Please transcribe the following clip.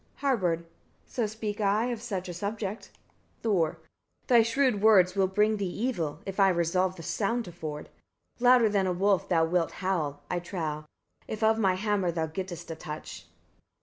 Harbard. 46. So speak I of such a subject. Thor. 47. Thy shrewd words will bring thee evil, if I resolve the sound to ford. Louder than a wolf thou wilt howl, I trow, if of my hammer thou gettest a touch.